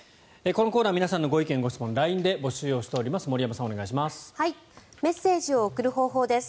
このコーナー皆さんのご意見・ご質問をＬＩＮＥで募集しております。